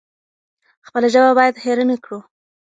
خپله ژبه بايد هېره نکړو.